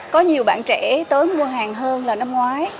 có nhiều bạn trẻ tới mua hàng hơn là năm ngoái